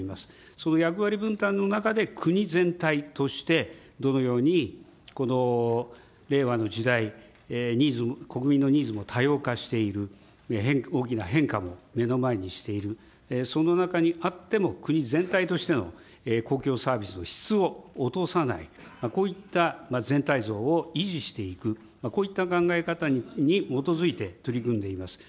その役割分担の中で国全体として、どのように、この令和の時代、国民のニーズも多様化している、大きな変化も目の前にしている、その中にあっても、国全体としての公共サービスの質を落とさない、こういった全体像を維持していく、こういった考え方に基づいて、取り組んでいます。